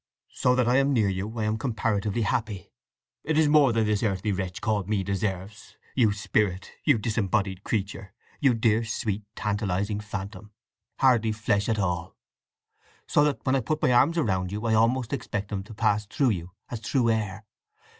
"So that I am near you, I am comparatively happy. It is more than this earthly wretch called Me deserves—you spirit, you disembodied creature, you dear, sweet, tantalizing phantom—hardly flesh at all; so that when I put my arms round you I almost expect them to pass through you as through air!